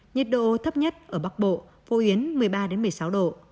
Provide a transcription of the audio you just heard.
nhiệt độ thấp nhất ở bắc bộ phổ biến một mươi ba một mươi sáu độ